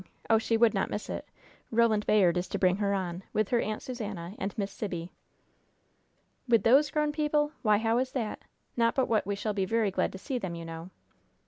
Oh, she would not miss it! Roland Bayard is to bring her on, with her Aunt Susannah and Miss Sibby. "With those grown people! Why, how is that? Not but what we shall be very glad to see them, you know."